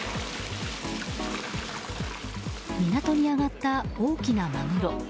港に揚がった大きなマグロ。